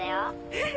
えっ！？